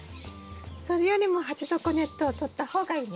それよりも鉢底ネットを取った方がいいんですね。